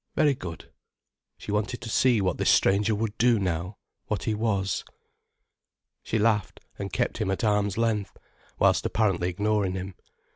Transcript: Very good. She wanted to see what this stranger would do now, what he was. She laughed, and kept him at arm's length, whilst apparently ignoring him.